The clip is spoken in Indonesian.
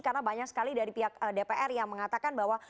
karena banyak sekali dari pihak dpr yang mengatakan bahwa